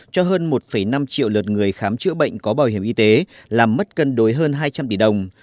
cho hơn một năm triệu lượt người khám chữa bệnh có bảo hiểm y tế làm mất cân đối hơn hai trăm linh tỷ đồng